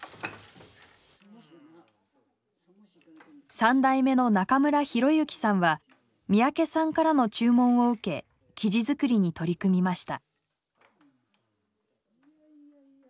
３代目の中村博行さんは三宅さんからの注文を受け生地づくりに取り組みました。